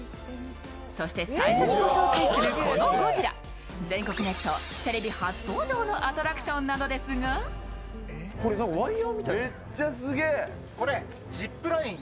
そして、最初にご紹介するこちらのゴジラ全国ネットテレビ初登場のアトラクションなのですがこれ、ジップライン。